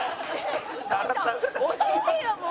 「教えてよもう！」